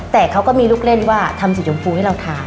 แต่เขาก็มีลูกเล่นว่าทำสีชมพูให้เราทาน